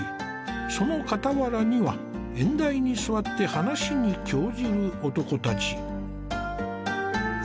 その傍らには縁台に座って話に興じる男たち。